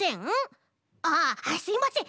あっすいません！